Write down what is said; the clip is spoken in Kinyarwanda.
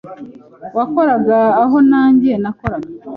wakoraga aho nanjye nakoraga